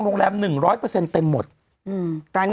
คืนเนอะ